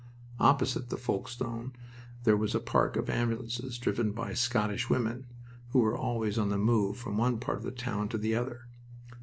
Opposite the Folkestone there was a park of ambulances driven by "Scottish women," who were always on the move from one part of the town to the other.